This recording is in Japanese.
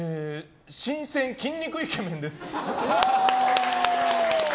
新鮮筋肉イケメンです。